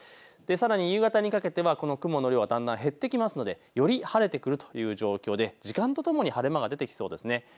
さらに夕方にかけては雲の量は減ってくるので、より晴れてくるという状況で時間とともに晴れ間が出てきそうです。